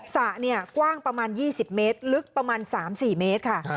สระกว้างประมาณ๒๐เมตรลึกประมาณ๓๔เมตรค่ะ